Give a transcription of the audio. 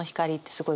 すごい。